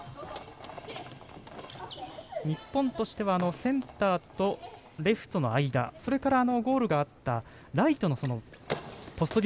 日本としてはセンターとレフトの間それから、ゴールがあったライトのポスト際。